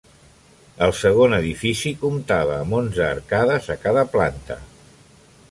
El segon edifici comptava amb onze arcades a cada planta.